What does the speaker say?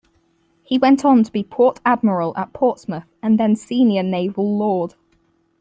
He went on to be Port Admiral at Portsmouth and then Senior Naval Lord.